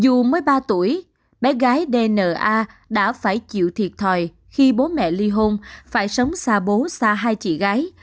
dù mới ba tuổi bé gái d n a đã phải chịu thiệt thòi khi bố mẹ ly hôn phải sống xa bố xa hai chị gái